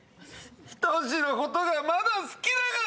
ヒトシのことがまだ好きだから！